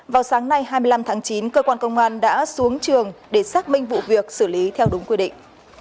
vào sáng nay hai mươi năm tháng chín cơ quan công an đã xuống trường để xác minh vụ việc xử lý theo đúng quy định